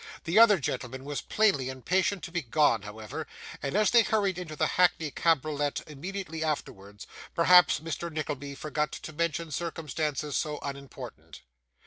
The other gentleman was plainly impatient to be gone, however, and as they hurried into the hackney cabriolet immediately afterwards, perhaps Mr. Nickleby forgot to mention circumstances so unimportant.